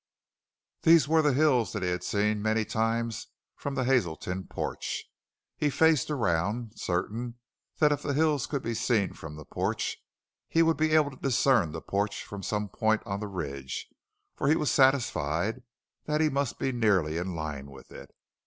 These were the hills that he had seen many times from the Hazelton porch. He faced around, certain that if the hills could be seen from the porch he would be able to discern the porch from some point on the ridge, for he was satisfied that he must be nearly in line with it.